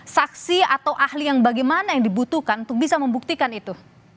saksi atau ahli yang bagaimana yang dibutuhkan untuk bisa membuktikan itu